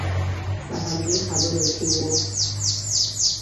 په همدې خبرو کې وو.